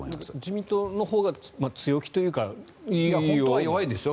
自民党のほうが強気というか本当は弱いですよ。